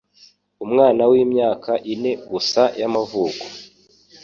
umwana w'imyaka ine gusa y'amavuko,